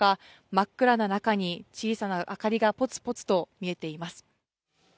真っ暗な中に小さな明かりがポツポツと見えています。